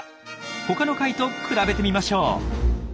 他の貝と比べてみましょう。